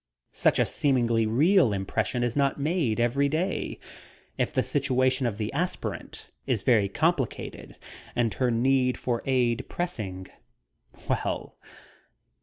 Such a seemingly real impression is not made every day. If the situation of the aspirant is very complicated and her need for aid pressing well.